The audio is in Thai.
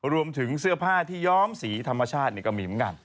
รวมถึงเสื้อผ้าที่ย้อมสีธรรมชาตินี่ก็มีเหมือนกัน